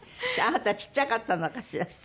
あなたちっちゃかったのかしら？